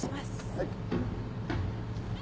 はい。